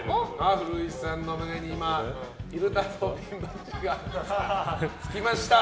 古市さんの胸に昼太郎ピンバッジがつきました。